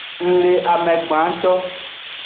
Ng le ame gbanto.